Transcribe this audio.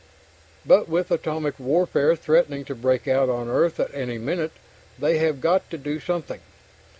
But with atomic warfare threatening to break out on Earth at any minute, they have got to do something.